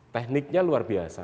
tekniknya luar biasa